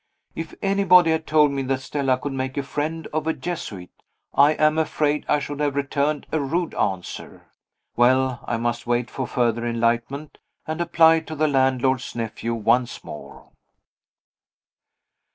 If anybody had told me that Stella could make a friend of a Jesuit, I am afraid I should have returned a rude answer. Well, I must wait for further enlightenment, and apply to the landlord's nephew once more.